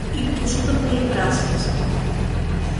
Είπε πως ήταν πολύ πράσινες ακόμα